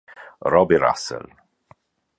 Robbie Russell